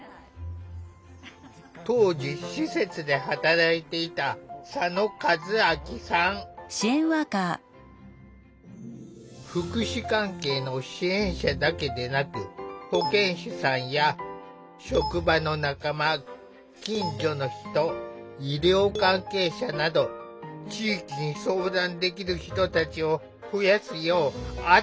当時施設で働いていた福祉関係の支援者だけでなく保健師さんや職場の仲間近所の人医療関係者など地域に相談できる人たちを増やすようアドバイスしたという。